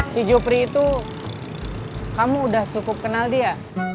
si jupri itu kamu udah cukup kenal dia